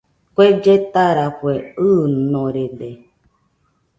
Kue lletarafue ɨɨnorede